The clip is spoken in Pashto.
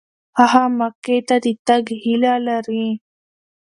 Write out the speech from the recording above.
هغه مکې ته د تګ هیله لري.